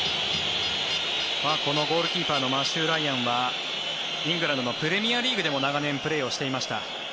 このゴールキーパーのマシュー・ライアンはイングランドのプレミアリーグでも長年プレーをしていました。